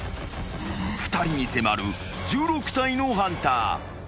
［２人に迫る１６体のハンター］